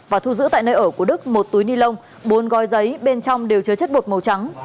và thu giữ tại nơi ở của đức một túi ni lông bốn gói giấy bên trong đều chứa chất bột màu trắng